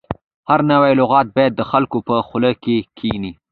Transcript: هر نوی لغت باید د خلکو په خوله کې کښیني.